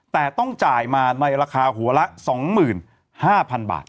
แต่ต้องจ่ายมาในราคาหัวละ๒๕๐๐๐บาท